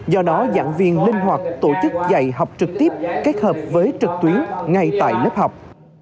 do đó giảng viên linh hoạt tổ chức dạy học trực tiếp kết hợp với trực tuyến ngay tại lớp học